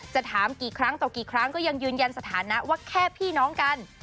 ถามกี่ครั้งต่อกี่ครั้งก็ยังยืนยันสถานะว่าแค่พี่น้องกัน